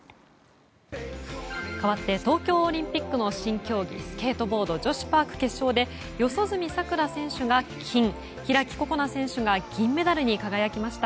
かわって東京オリンピックの新競技スケートボード女子パーク決勝で四十住さくら選手が金開心那選手が銀メダルに輝きました。